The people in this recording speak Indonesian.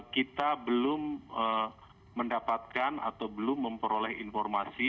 kita belum mendapatkan atau belum memperoleh informasi